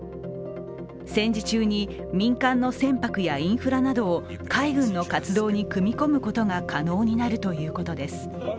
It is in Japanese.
戦時中に民間の船舶やインフラなどを海軍の活動に組み込むことが可能になるということです。